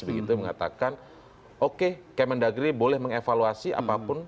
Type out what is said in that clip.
begitu mengatakan oke kemendagri boleh mengevaluasi apapun